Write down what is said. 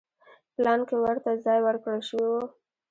پلان کې ورته ځای ورکړل شوی و.